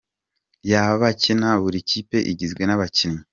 ya’abakina buri kipe igizwe n’abakinnyi